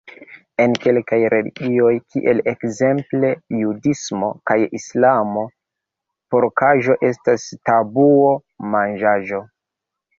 En kelkaj religioj, kiel ekzemple judismo kaj Islamo, porkaĵo estas tabuo-manĝaĵo.